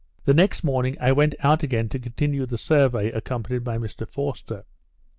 The next morning, I went out again to continue the survey, accompanied by Mr Forster.